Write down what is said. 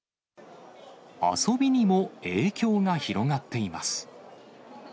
遊びにも影響が広がっています。